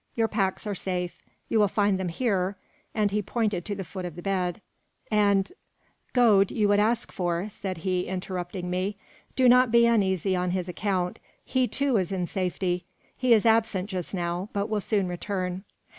Your packs are safe. You will find them here," and he pointed to the foot of the bed. "And " "Gode you would ask for," said he, interrupting me. "Do not be uneasy on his account. He, too, is in safety. He is absent just now, but will soon return."